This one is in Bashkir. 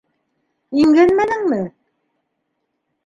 Имгәнмәнеңме?